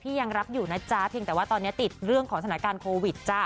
ยังรับอยู่นะจ๊ะเพียงแต่ว่าตอนนี้ติดเรื่องของสถานการณ์โควิดจ้ะ